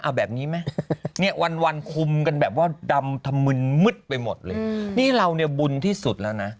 เอาแบบนี้ไหมเนี่ยวันวันคุมกันแบบว่าดำธมึนมืดไปหมดเลยนี่เราเนี่ยบุญที่สุดแล้วนะ